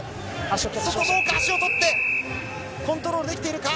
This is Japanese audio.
足を取ってコントロールできているか。